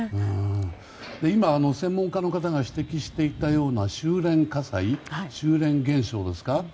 今、専門家の方が指摘していたような収れん火災、収れん現象ですか。